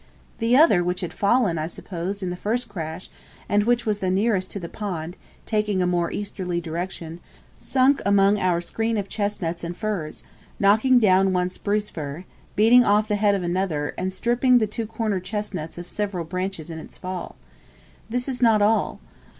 The other, which had fallen, I suppose, in the first crash, and which was the nearest to the pond, taking a more easterly direction, sunk among our screen of chestnuts and firs, knocking down one spruce fir, beating off the head of another, and stripping the two corner chestnuts of several branches in its fall. This is not all.